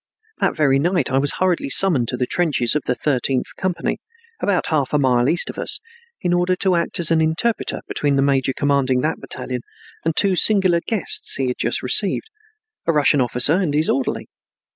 That very night I was hurriedly summoned to the trenches of the 13th Company, about half a mile east of us, in order to act as an interpreter between the major commanding that battalion and two singular guests he had just received, a Russian officer and his orderly.